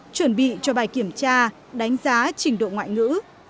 chuẩn bị cho bài kiểm tra đánh giá trình độ ngoại ngữ